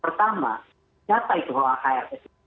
pertama siapa itu yang hrs